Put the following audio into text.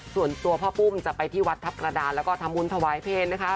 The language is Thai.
ส่วนตัวพ่อปุ้มจะไปที่วัดทัพกระดานแล้วก็ทำบุญถวายเพลงนะคะ